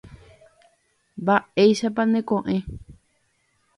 Mba'éichapa neko'ẽ.